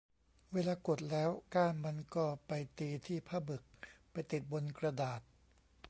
เวลากดแล้วก้านมันก็ไปตีที่ผ้าหมึก ไปติดบนกระดาษ